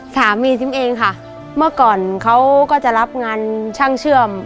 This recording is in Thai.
สามีซิมเองค่ะเมื่อก่อนเขาก็จะรับงานช่างเชื่อม